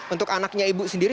untuk anaknya ibu sendiri